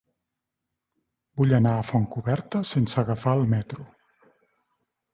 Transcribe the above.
Vull anar a Fontcoberta sense agafar el metro.